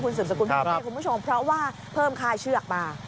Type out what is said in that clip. คุณสุดคุณผู้ชมเพราะว่าเพิ่มค่าเชือกมา